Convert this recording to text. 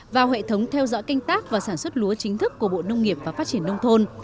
vào hệ thống theo dõi canh tác và sản xuất lúa chính thức của bộ nông nghiệp và phát triển nông thôn